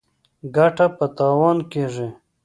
ـ ګټه په تاوان کېږي.